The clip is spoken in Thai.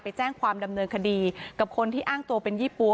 แจ้งความดำเนินคดีกับคนที่อ้างตัวเป็นยี่ปั๊